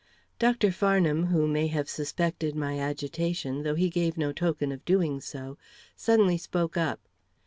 Dr. Farnham, who may have suspected my agitation, though he gave no token of doing so, suddenly spoke up.